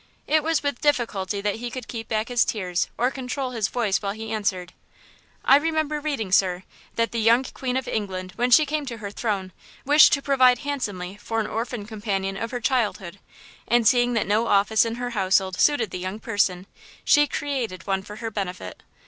It was with difficulty that he could keep back his tears or control his voice while he answered: "I remember reading, sir, that the young queen of England, when she came to her throne, wished to provide handsomely for an orphan companion of her childhood; and, seeing that no office in her household suited the young person, she created one for her benefit.